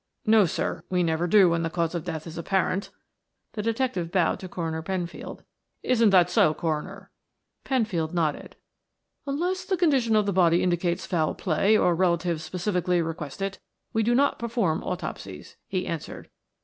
"No, sir, we never do when the cause of death is apparent," the detective bowed to Coroner Penfield. "Isn't that so, Coroner?" Penfield nodded. "Unless the condition of the body indicates foul play or the relatives specially request it, we do not perform autopsies," he answered.